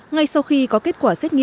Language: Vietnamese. ngay sau khi có kết quả xét nghiệm